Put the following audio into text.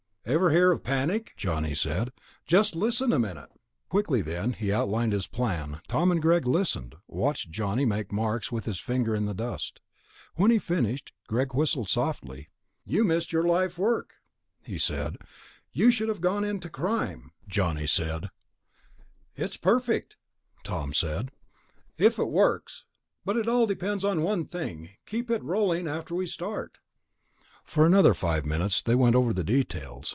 _" "Ever hear of panic?" Johnny said. "Just listen a minute." Quickly then, he outlined his plan. Tom and Greg listened, watched Johnny make marks with his finger in the dust. When he finished, Greg whistled softly. "You missed your life work," he said. "You should have gone into crime." "If I'd had a ghost to help me, I might have," Johnny said. "It's perfect," Tom said, "if it works. But it all depends on one thing ... keeping it rolling after we start...." For another five minutes they went over the details.